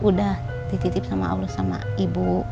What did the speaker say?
udah dititip sama allah sama ibu